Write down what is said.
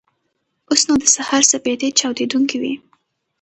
اوس نو د سهار سپېدې چاودېدونکې وې.